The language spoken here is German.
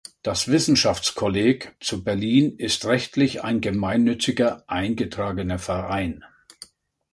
Das Wissenschaftskolleg zu Berlin ist rechtlich ein gemeinnütziger eingetragener Verein.